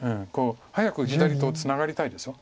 早く左とツナがりたいでしょ。